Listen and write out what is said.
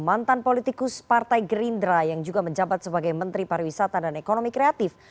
mantan politikus partai gerindra yang juga menjabat sebagai menteri pariwisata dan ekonomi kreatif